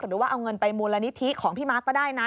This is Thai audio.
หรือว่าเอาเงินไปมูลนิธิของพี่มาร์คก็ได้นะ